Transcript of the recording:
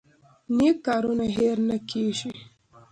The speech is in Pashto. نیک کارونه هیر نه کیږي